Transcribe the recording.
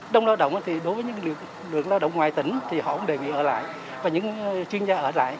đông lao động thì đối với những lượng lao động ngoài tỉnh thì họ không để người ở lại và những chuyên gia ở lại